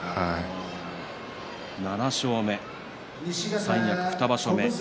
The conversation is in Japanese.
７勝目、三役２場所目。